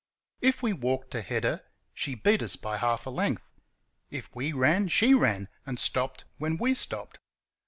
If we walked to head her she beat us by half a length; if we ran she ran, and stopped when we stopped.